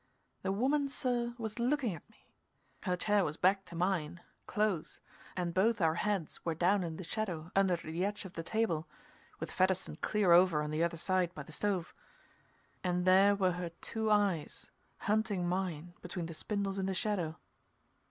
The woman, sir, was looking at me. Her chair was back to mine, close, and both our heads were down in the shadow under the edge of the table, with Fedderson clear over on the other side by the stove. And there were her two eyes hunting mine between the spindles in the shadow.